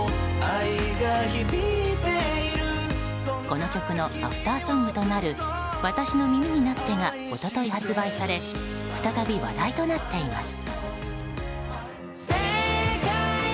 この曲のアフターソングとなる「私の耳になって」が一昨日発売され再び話題となっています。